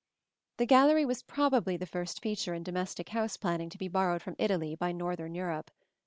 The gallery was probably the first feature in domestic house planning to be borrowed from Italy by northern Europe.